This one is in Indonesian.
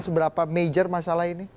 seberapa major masalah ini